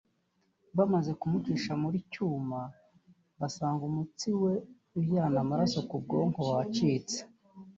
bamaze kumucisha muri cyuma basanga umutsi we ujyana amaraso ku bwonko wacitse”